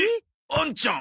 あんちゃん。